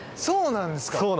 そうなんですか！